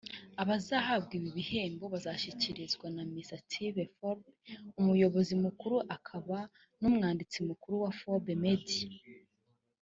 Abazahabwa ibi bihembo bazabishyikirizwa na Mr Steve Forbes umuyobozi mukuru akaba n’umwanditsi mukuru wa Forbes Media